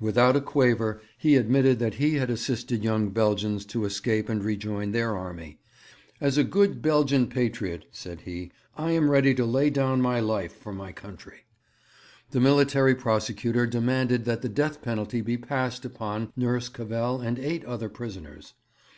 Without a quaver he admitted that he had assisted young Belgians to escape and rejoin their army. 'As a good Belgian patriot,' said he, 'I am ready to lay down my life for my country.' The Military Prosecutor demanded that the death penalty be passed upon Nurse Cavell and eight other prisoners.